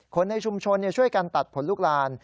คนในชุมชนช่วยกันตัดผลลูกลาน